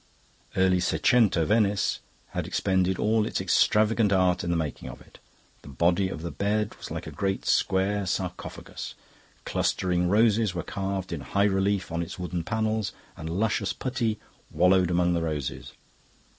Early seicento Venice had expended all its extravagant art in the making of it. The body of the bed was like a great square sarcophagus. Clustering roses were carved in high relief on its wooden panels, and luscious putti wallowed among the roses.